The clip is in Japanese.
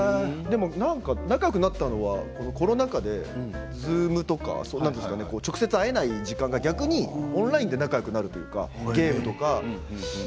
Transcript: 仲よくなったのはコロナ禍でＺＯＯＭとか直接、会えない時間が逆にオンラインで仲よくなるというか今風だな。